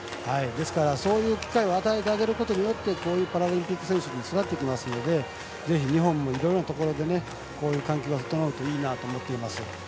そういう機会を与えてあげることによってパラリンピック選手に育ってきますのでぜひ、日本もいろいろなところでこういう環境が整うといいなと思っています。